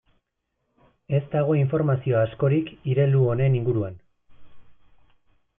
Ez dago informazio askorik irelu honen inguruan.